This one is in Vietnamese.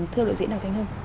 thưa lợi diễn đồng thanh hương